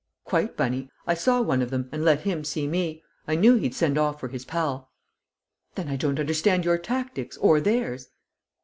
"Quite, Bunny. I saw one of them and let him see me. I knew he'd send off for his pal." "Then I don't understand your tactics or theirs."